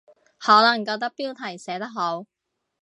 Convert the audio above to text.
可能覺得標題寫得好